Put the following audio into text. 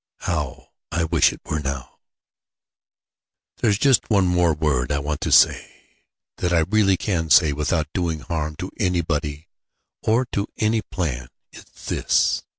How I wish it were now! "There's just one more word I want to say, that I really can say without doing harm to anybody or to any plan. It's this.